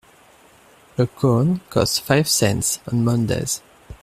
A cone costs five cents on Mondays.